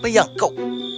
mau apa yang kau